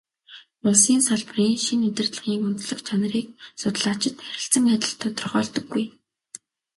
Улсын салбарын шинэ удирдлагын онцлог чанарыг судлаачид харилцан адил тодорхойлдоггүй.